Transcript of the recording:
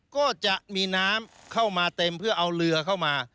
ก็จะมีน้ำเข้ามาเต็มเพื่อเอาเรือเข้ามา